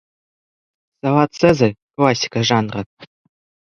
Салат "Цезарь" - классика жанра.